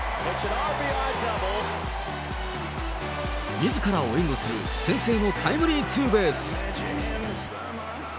みずからを援護する先制のタイムリーツーベース。